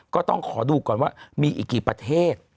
ก็ต้องขอดูก่อนว่ามีอีกกี่ประเทศ